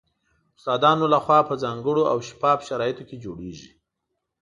استادانو له خوا په ځانګړو او شفاف شرایطو کې جوړیږي